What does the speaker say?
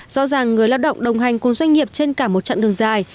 do rằng người lao động đồng hành cùng doanh nghiệp trên cả một trận đường dài